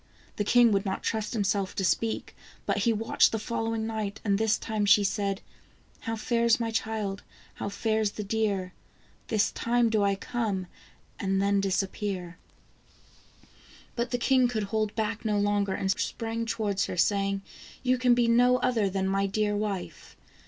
The king would not trust himself to speak, but he watched the following night, and this time she said :" How fares my child ? how fares the deer ? This time do I come, and then disappear." 210 THE ENCHANTED FA I IN. But the king could hold back no longer, and sprang to wards her, saying: " You can be no other than my dear wife